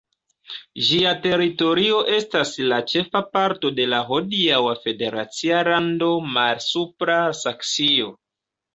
Ĝia teritorio estas la ĉefa parto de la hodiaŭa federacia lando Malsupra Saksio.